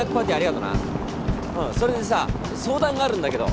うんそれでさ相談があるんだけど。